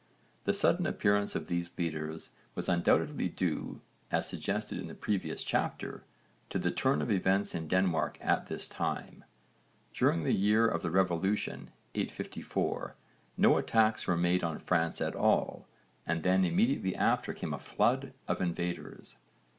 The sudden appearance of these leaders was undoubtedly due, as suggested in the previous chapter, to the turn of events in Denmark at this time. During the year of the revolution 854 no attacks were made on France at all and then immediately after came a flood of invaders.